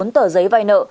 bốn tờ giấy vai nợ